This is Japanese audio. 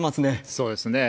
そうですね。